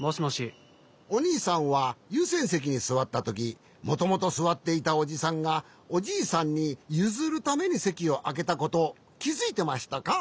おにいさんはゆうせんせきにすわったときもともとすわっていたおじさんがおじいさんにゆずるためにせきをあけたことをきづいてましたか？